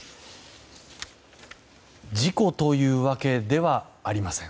事故というわけではありません。